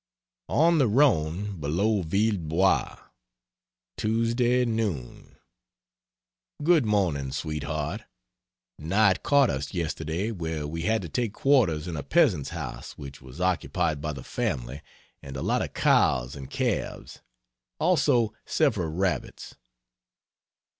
ON THE RHONE BELOW VILLEBOIS, Tuesday noon. Good morning, sweetheart. Night caught us yesterday where we had to take quarters in a peasant's house which was occupied by the family and a lot of cows and calves also several rabbits.